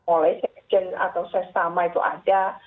oleh sekjen atau sesama itu ada